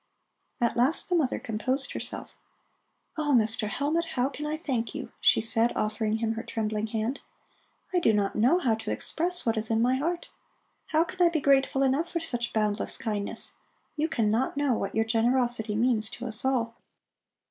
At last the mother composed herself. "Oh, Mr. Hellmut, how can I thank you?" she said, offering him her trembling hand. "I do not know how to express what is in my heart. How can I be grateful enough for such boundless kindness? You cannot know what your generosity means to us all."